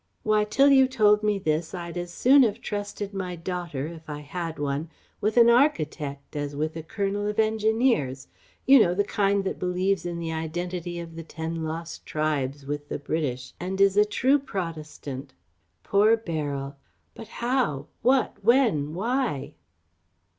Why, till you told me this I'd as soon have trusted my daughter if I had one with an architect as with a Colonel of Engineers You know! The kind that believes in the identity of the Ten Lost Tribes with the British and is a True Protestant! Poor Beryl! But how? what? when? why?"